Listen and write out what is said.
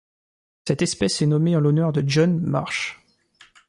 Cette espèce est nommée en l'honneur de John Marsh.